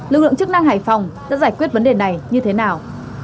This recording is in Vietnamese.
lực lượng chức năng hải phòng đã giải quyết vấn đề này như thế nào